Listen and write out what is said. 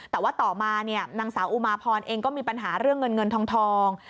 แต่ว่าต่อมานางสาวอุมาพรเองก็มีปัญหาเรื่องเงินเงินทอง